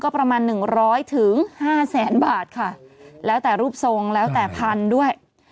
ก็ประมาณ๑๐๐๕๐๐บาทค่ะแล้วแต่รูปทรงแล้วแต่พันธุ์ด้วย